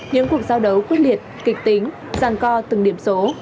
những cuộc giao đấu quyết liệt kịch tính ràng co từng điểm số